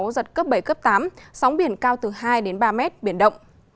giật cấp bảy cấp tám sóng biển cao từ hai đến ba mét biển động